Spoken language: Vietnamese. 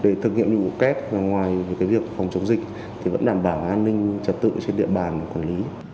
để thực hiện nhiệm vụ kép và ngoài việc phòng chống dịch thì vẫn đảm bảo an ninh trật tự trên địa bàn quản lý